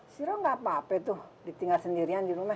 si rob gak apa apa tuh ditinggal sendirian di rumah